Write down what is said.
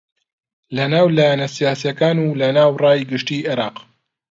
لەناو لایەنە سیاسییەکان و لەناو ڕای گشتی عێراق